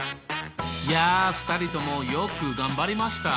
いや２人ともよく頑張りました。